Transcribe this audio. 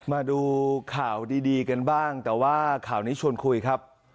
มาดูข่าวดีกันบ้างแต่ว่าข่าวนี้ชวนคุยครับ